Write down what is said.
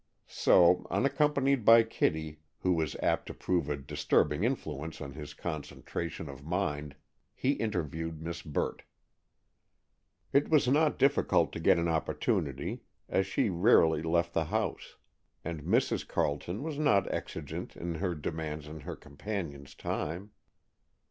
So, unaccompanied by Kitty, who was apt to prove a disturbing influence on his concentration of mind, he interviewed Miss Burt. It was not difficult to get an opportunity, as she rarely left the house, and Mrs. Carleton was not exigent in her demands on her companion's time.